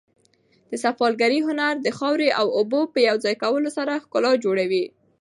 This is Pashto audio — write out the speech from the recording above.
د سفالګرۍ هنر د خاورې او اوبو په یو ځای کولو سره ښکلا جوړوي.